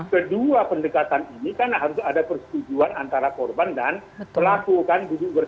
kedua pendekatan ini kan harus ada persetujuan antara korban dan pelaku kan